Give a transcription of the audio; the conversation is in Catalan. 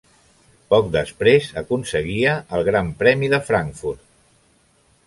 Poc després aconseguia el Gran Premi de Frankfurt.